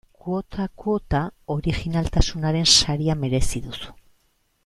Kuotak kuota, orijinaltasunaren saria merezi duzu.